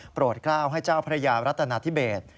โปรดกล้าวให้เจ้าพระยารัฐนาธิเบศ